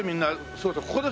そうですね。